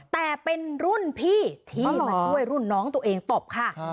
แต่เป็นรุ่นพี่ที่มาช่วยรุ่นน้องตัวเองตบค่ะ